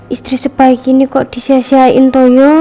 istri sebaik ini kok disiasiain toyo